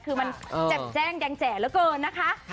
คือมันแจ้งแจ้งแดงแจ๋ละเกินนะคะ